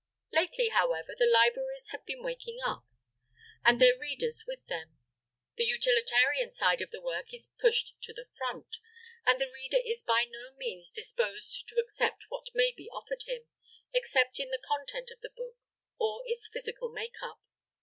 Lately however, the libraries have been waking up, and their readers with them. The utilitarian side of the work is pushed to the front; and the reader is by no means disposed to accept what may be offered him, either in the content of the book or its physical make up.